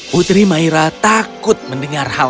putri maira takut mendengarkan